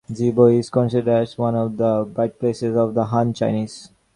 Zibo is considered as one of the birthplaces of the Han Chinese.